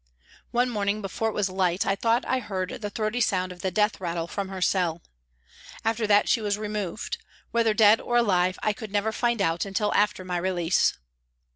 One morning before it was light I thought I heard the throaty sound of the death rattle from her cell. After that she was removed, whether dead or alive I could never find out until after my release.